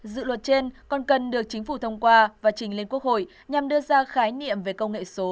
dự luật trên còn cần được chính phủ thông qua và trình lên quốc hội nhằm đưa ra khái niệm về công nghệ số